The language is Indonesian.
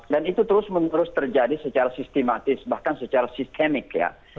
dan itu terus terus terjadi secara sistematis bahkan secara sistemik ya